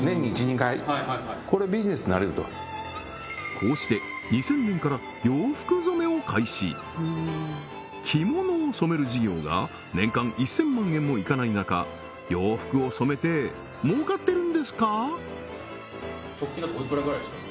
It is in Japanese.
こうして２０００年から洋服染めを開始着物を染める事業が年間１０００万円もいかない中洋服を染めて儲かってるんですか？